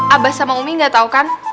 abah sama umi nggak tahu kan